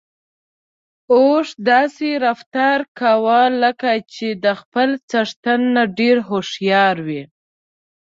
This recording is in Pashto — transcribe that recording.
اوښ داسې رفتار کاوه لکه چې د خپل څښتن نه ډېر هوښيار وي.